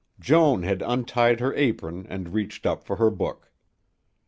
Joan had untied her apron and reached up for her book.